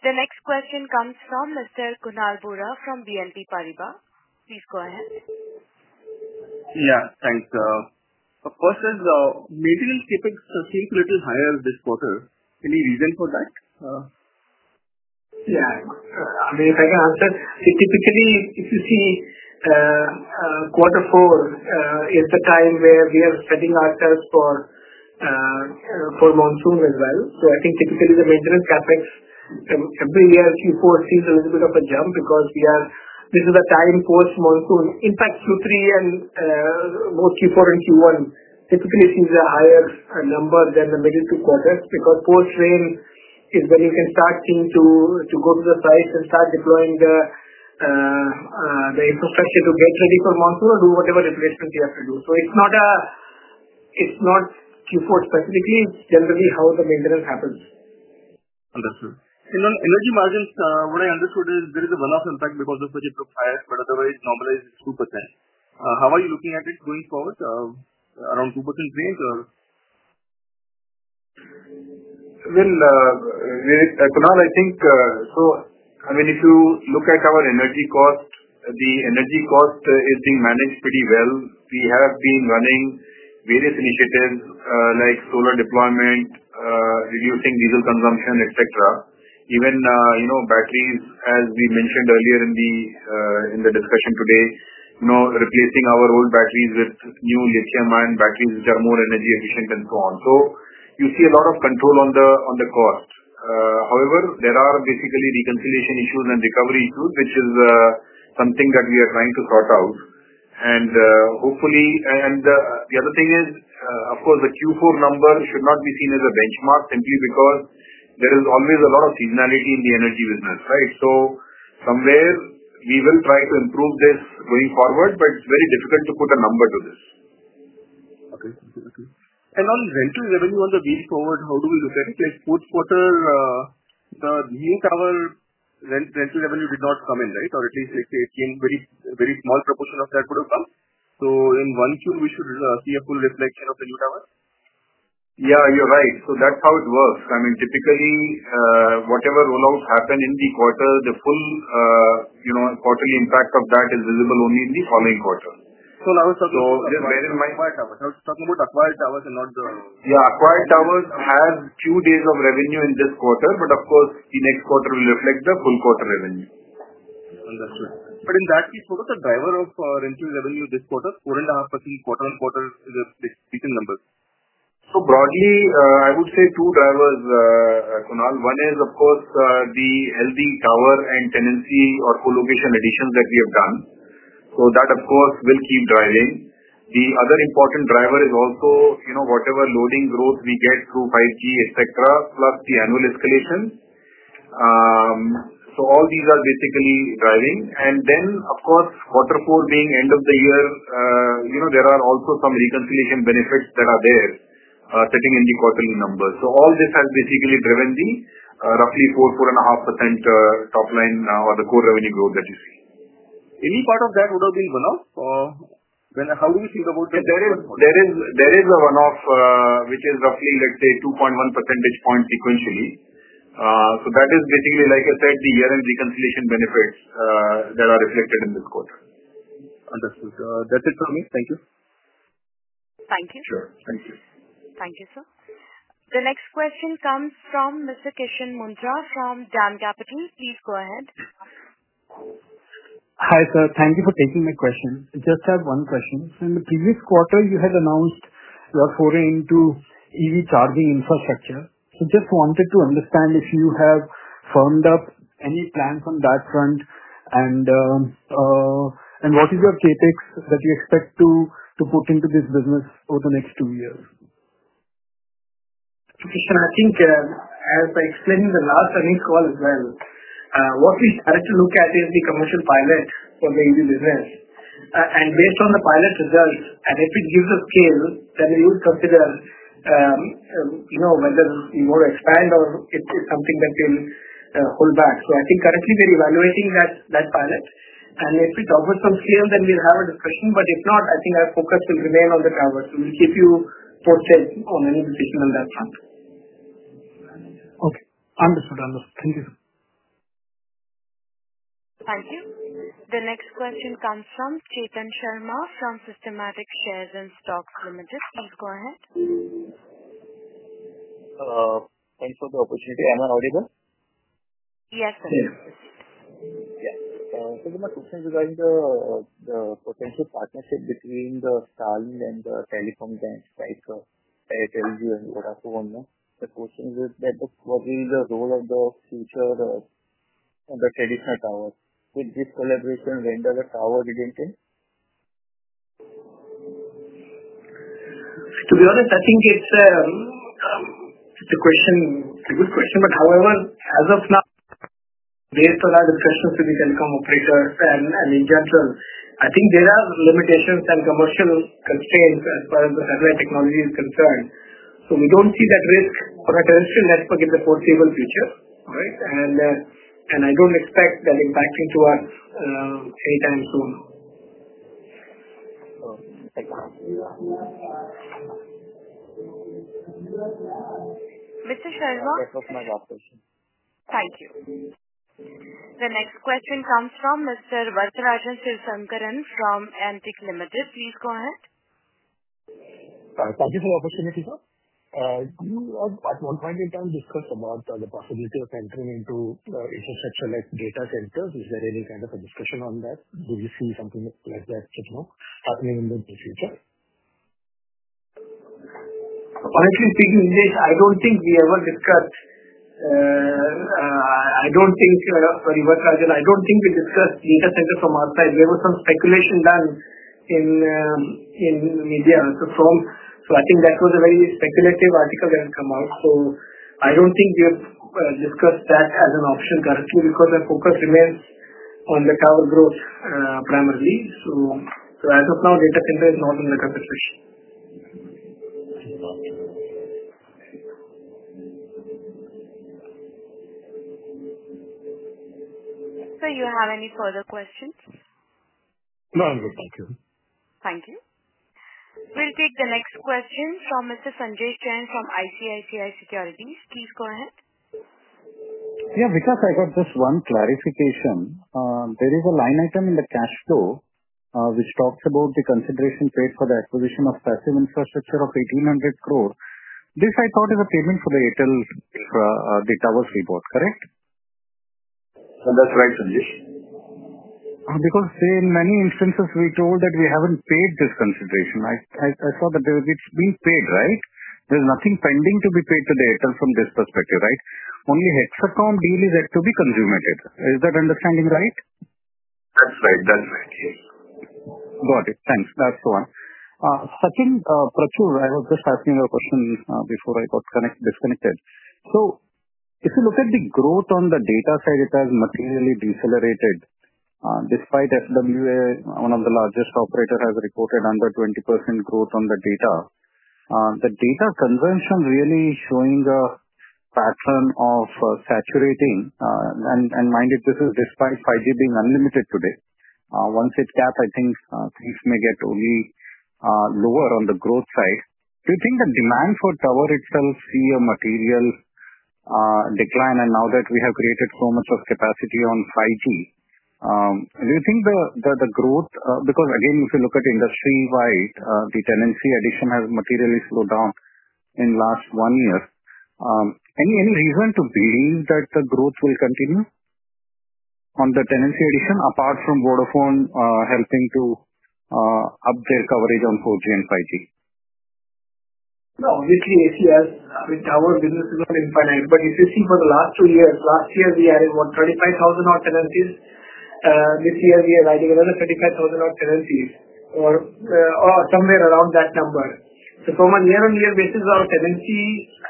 The next question comes from Mr. Kunal Vora from BNP Paribas. Please go ahead. Yeah. Thanks. First is, material CapEx seems a little higher this quarter. Any reason for that? Yeah. I mean, if I can answer, typically, if you see Quarter Four is the time where we are setting ourselves for monsoon as well. I think typically the maintenance CAPEX every year Q4 sees a little bit of a jump because this is a time post-monsoon. In fact, Q3 and both Q4 and Q1 typically sees a higher number than the middle two quarters because post-rain is when you can start seeing to go to the sites and start deploying the infrastructure to get ready for monsoon or do whatever replacements you have to do. It is not Q4 specifically. It is generally how the maintenance happens. Understood. Energy margins, what I understood is there is a one-off impact because of which it took fire, but otherwise, normalized is 2%. How are you looking at it going forward? Around 2% range or? Kunal, I think so. I mean, if you look at our energy cost, the energy cost is being managed pretty well. We have been running various initiatives like solar deployment, reducing diesel consumption, etc. Even batteries, as we mentioned earlier in the discussion today, replacing our old batteries with new lithium-ion batteries, which are more energy efficient and so on. You see a lot of control on the cost. However, there are basically reconciliation issues and recovery issues, which is something that we are trying to sort out. Hopefully, the other thing is, of course, the Q4 number should not be seen as a benchmark simply because there is always a lot of seasonality in the energy business, right? Somewhere we will try to improve this going forward, but it's very difficult to put a number to this. Okay. On rental revenue on the wheel forward, how do we look at it? Like fourth quarter, the new tower rental revenue did not come in, right? Or at least it came, a very small proportion of that would have come. In one year, we should see a full reflection of the new tower? Yeah. You're right. That's how it works. I mean, typically, whatever rollouts happen in the quarter, the full quarterly impact of that is visible only in the following quarter. I was talking about acquired towers. I was talking about acquired towers and not the. yeah. Acquired towers have two days of revenue in this quarter, but of course, the next quarter will reflect the full quarter revenue. Understood. In that case, what was the driver of rental revenue this quarter? 4.5% quarter on quarter is a decent number. Broadly, I would say two drivers, Kunal. One is, of course, the healthy tower and tenancy or colocation additions that we have done. That, of course, will keep driving. The other important driver is also whatever loading growth we get through 5G, etc., plus the annual escalation. All these are basically driving. Then, of course, quarter four being end of the year, there are also some reconciliation benefits that are there sitting in the quarterly numbers. All this has basically driven the roughly 4%-4.5% top line or the core revenue growth that you see. Any part of that would have been one-off? How do we think about the. There is a one-off, which is roughly, let's say, 2.1 percentage points sequentially. That is basically, like I said, the year-end reconciliation benefits that are reflected in this quarter. Understood. That's it from me. Thank you. Thank you. Sure. Thank you. Thank you, sir. The next question comes from Mr. Kishan Mundhra from DAM Capital. Please go ahead. Hi sir. Thank you for taking my question. Just have one question. In the previous quarter, you had announced your foray into EV charging infrastructure. Just wanted to understand if you have firmed up any plans on that front and what is your CapEx that you expect to put into this business over the next two years? Kishan, I think as I explained in the last earning call as well, what we started to look at is the commercial pilot for the EV business. Based on the pilot results, if it gives us scale, then we would consider whether we want to expand or if it's something that we'll hold back. I think currently we're evaluating that pilot. If it offers some scale, then we'll have a discussion. If not, I think our focus will remain on the towers. We'll keep you posted on any decision on that front. Okay. Understood. Thank you, sir. Thank you. The next question comes from Chetan Sharma from Systematix Shares and Stocks Limited. Please go ahead. Thanks for the opportunity. Am I audible? Yes, sir. Yes. My question regarding the potential partnership between Starlink and the telecom giants, like Airtel and Vodafone, the question is what will be the role of the future on the traditional towers? Would this collaboration render a tower redundant? To be honest, I think it's a good question. However, as of now, based on our discussions with the telecom operators and in general, I think there are limitations and commercial constraints as far as the satellite technology is concerned. We do not see that risk on a terrestrial network in the foreseeable future, right? I do not expect that impacting us anytime soon. Mr. Sharma? That was my last question. Thank you. The next question comes from Mr. Varatharajan Sivasankaran from Antique Limited. Please go ahead. Thank you for the opportunity, sir. You had at one point in time discussed the possibility of entering into infrastructure like data centers. Is there any kind of discussion on that? Do you see something like that happening in the near future? Honestly speaking, I do not think we ever discussed. I do not think, sorry, Varatharajan, I do not think we discussed data centers from our side. There was some speculation done in media. I think that was a very speculative article that had come out. I do not think we have discussed that as an option currently because our focus remains on the tower growth primarily. As of now, data center is not in the consideration. Do you have any further questions? No. I am good. Thank you. Thank you. We will take the next question from Mr. Sanjesh Jain from ICICI Securities. Please go ahead. Yeah. Vikas, I got just one clarification. There is a line item in the cash flow which talks about the consideration paid for the acquisition of passive infrastructure of 1,800 crore. This, I thought, is a payment for the Airtel Infra, the towers we bought, correct? That is right, Sanjay. Because in many instances, we told that we have not paid this consideration. I saw that it has been paid, right? There is nothing pending to be paid to Airtel from this perspective, right? Only the Hexacom deal is yet to be consummated. Is that understanding right? That's right. That's right. Yes. Got it. Thanks. That's the one. Sachin, Prachur, I was just asking you a question before I got disconnected. If you look at the growth on the data side, it has materially decelerated despite FWA, one of the largest operators, has reported under 20% growth on the data. The data consumption really showing a pattern of saturating. Mind you, this is despite 5G being unlimited today. Once it cap, I think things may get only lower on the growth side. Do you think the demand for tower itself see a material decline now that we have created so much of capacity on 5G? Do you think the growth, because again, if you look at industry-wide, the tenancy addition has materially slowed down in the last one year, any reason to believe that the growth will continue on the tenancy addition apart from Vodafone helping to up their coverage on 4G and 5G? No. Obviously, as you see, I mean, our business is not infinite. If you see for the last two years, last year we added about 35,000-odd tenancies. This year we are adding another 35,000-odd tenancies or somewhere around that number. From a year-on-year basis, our tenancy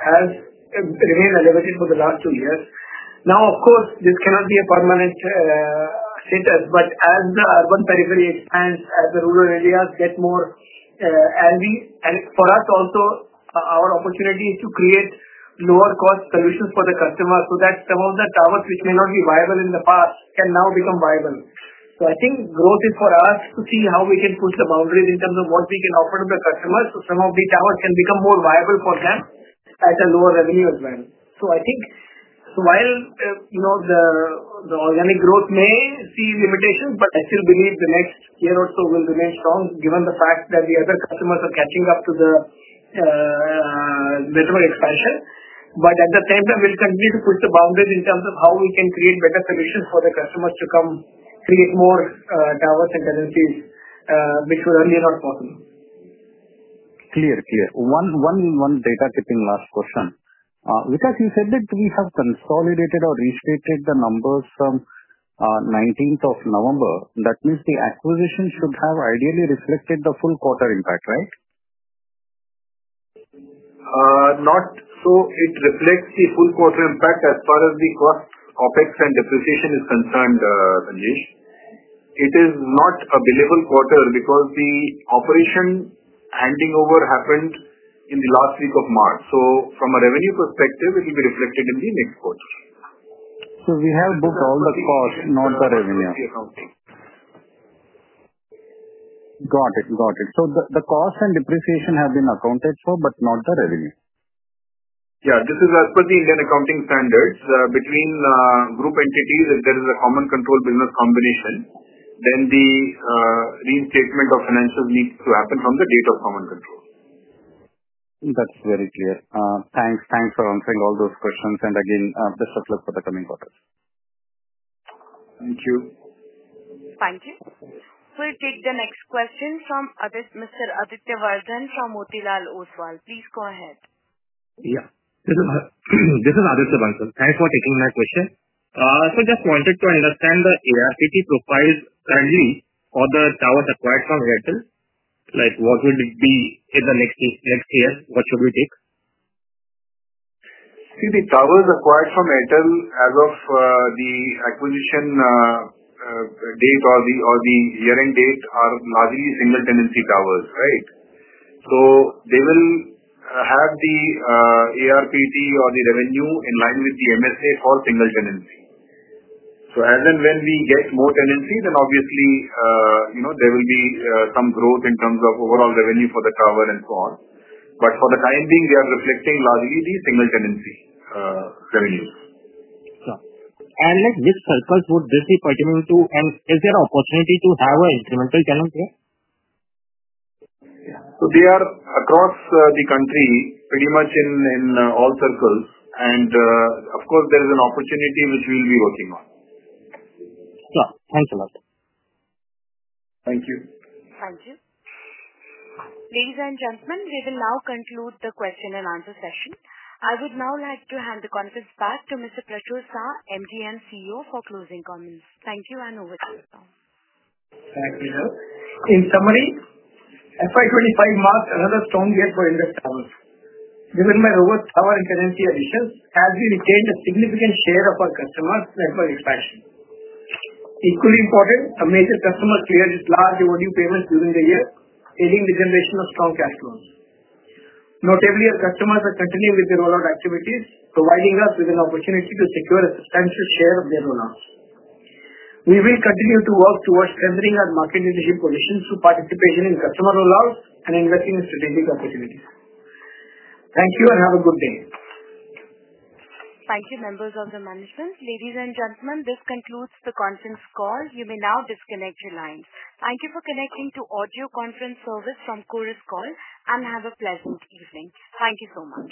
has remained elevated for the last two years. Now, of course, this cannot be a permanent status, but as the urban periphery expands, as the rural areas get more, and for us also, our opportunity is to create lower-cost solutions for the customers so that some of the towers, which may not be viable in the past, can now become viable. I think growth is for us to see how we can push the boundaries in terms of what we can offer to the customers so some of the towers can become more viable for them at a lower revenue as well. I think while the organic growth may see limitations, I still believe the next year or so will remain strong given the fact that the other customers are catching up to the network expansion. At the same time, we'll continue to push the boundaries in terms of how we can create better solutions for the customers to come create more towers and tenancies, which were earlier not possible. Clear. Clear. One data tipping last question. Vikas, you said that we have consolidated or restricted the numbers from 19th of November. That means the acquisition should have ideally reflected the full quarter impact, right? Not so it reflects the full quarter impact as far as the cost, OPEX, and depreciation is concerned, Sanjay. It is not a billable quarter because the operation handing over happened in the last week of March. From a revenue perspective, it will be reflected in the next quarter. We have booked all the cost, not the revenue. Got it. Got it. The cost and depreciation have been accounted for, but not the revenue. Yeah. This is as per the Indian accounting standards. Between group entities, if there is a common control business combination, then the reinstatement of financials needs to happen from the date of common control. That's very clear. Thanks. Thanks for answering all those questions. Again, best of luck for the coming quarter. Thank you. Thank you. We'll take the next question from Mr. Aditya Bansal from Motilal Oswal. Please go ahead. Yeah. This is Aditya Bansal. Thanks for taking my question. Just wanted to understand the ARPT profiles currently for the towers acquired from Airtel. Like what would be in the next year? What should we take? See, the towers acquired from Airtel as of the acquisition date or the year-end date are largely single tenancy towers, right? They will have the ARPT or the revenue in line with the MSA for single tenancy. As and when we get more tenancy, then obviously there will be some growth in terms of overall revenue for the tower and so on. For the time being, we are reflecting largely the single tenancy revenues. Sure. Like which circles would this be pertinent to, and is there an opportunity to have an incremental tenant here? They are across the country, pretty much in all circles. Of course, there is an opportunity which we'll be working on. Sure. Thanks a lot. Thank you. Thank you. Ladies and gentlemen, we will now conclude the question and answer session. I would now like to hand the conference back to Mr. Prachur, MD and CEO, for closing comments. Thank you and over to you, sir. Thank you, sir. In summary, FY 2025 marks another strong year for Indus Towers. Given by robust tower and tenancy additions, as we retained a significant share of our customers' network expansion. Equally important, a major customer cleared its large overdue payments during the year, aiding the generation of strong cash flows. Notably, our customers are continuing with their rollout activities, providing us with an opportunity to secure a substantial share of their rollouts. We will continue to work towards strengthening our market leadership positions through participation in customer rollouts and investing in strategic opportunities. Thank you and have a good day. Thank you, members of the management. Ladies and gentlemen, this concludes the conference call. You may now disconnect your lines. Thank you for connecting to audio conference service from Chorus Call, and have a pleasant evening. Thank you so much.